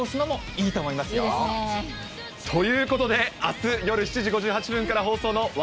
いいですね。ということで、あす、夜７時５８分から放送の笑